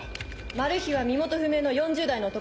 マルヒは身元不明の４０代の男。